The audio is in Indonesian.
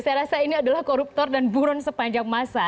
saya rasa ini adalah koruptor dan buron sepanjang masa